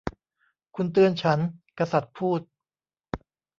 'คุณเตือนฉัน !' กษัตริย์พูด